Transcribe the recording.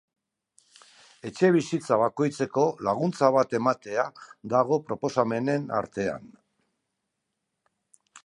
Etxebizitza bakoitzeko laguntza bat ematea dago proposamenen artean.